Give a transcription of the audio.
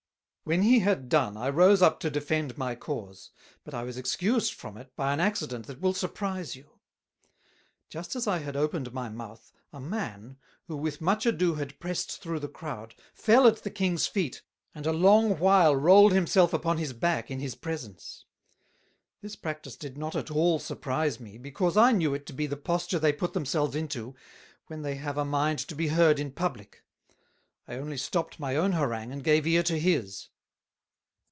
When he had done, I rose up to defend my Cause; but I was excused from it, by an Accident that will surprize you. Just as I had opened my Mouth, a Man, who with much ado had pressed through the Crowd, fell at the King's Feet, and a long while rouled himself upon his Back in his presence. This practice did not at all surprize me, because I knew it to be the posture they put themselves into, when they have a mind to be heard in publick: I only stopt my own Harangue, and gave Ear to his.